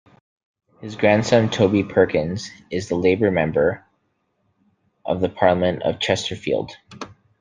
His grandson Toby Perkins is the Labour Member of Parliament for Chesterfield.